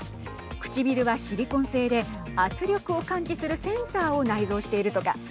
唇はシリコン製で圧力を感知するセンサーを内蔵しているとか。